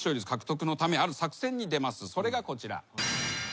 それがこちら。